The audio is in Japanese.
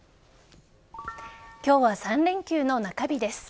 今日は３連休の中日です。